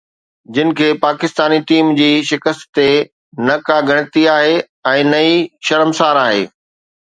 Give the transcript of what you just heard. جن کي پاڪستاني ٽيم جي شڪست تي نه ڪا ڳڻتي آهي ۽ نه ئي شرمسار آهي.